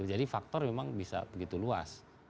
jadi faktor memang bisa begitu luas